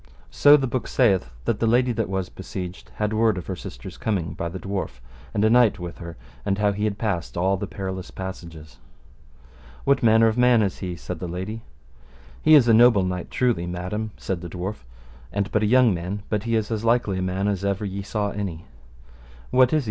So the book saith that the lady that was besieged had word of her sister's coming by the dwarf, and a knight with her, and how he had passed all the perilous passages. What manner a man is he? said the lady. He is a noble knight, truly, madam, said the dwarf, and but a young man, but he is as likely a man as ever ye saw any. What is he?